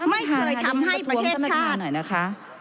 ไม่เคยทำให้ประเทศชาติ